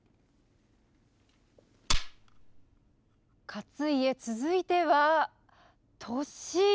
勝家続いては利家！